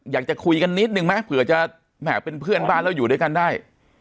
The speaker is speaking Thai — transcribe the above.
อยากจะคุยกันนิดนึงไหมเผื่อจะแหมเป็นเพื่อนบ้านแล้วอยู่ด้วยกันได้